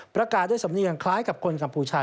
ประกาศด้วยสำเนียงคล้ายกับคนกัมพูชา